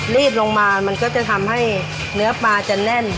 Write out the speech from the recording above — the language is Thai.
รีบลงมามันก็จะทำให้เนื้อปลาจะแน่น